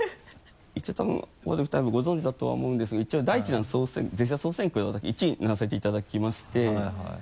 一応多分オードリーの２人もご存じだとは思うんですが一応第１弾ぜひらー総選挙で私１位にならせていただきましてはいはい。